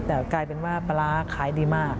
แต่กลายเป็นว่าปลาร้าขายดีมาก